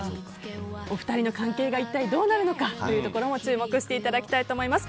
お二人の関係が一体どうなるのかも注目していただきたいと思います。